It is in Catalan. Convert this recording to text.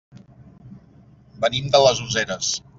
Venim de les Useres.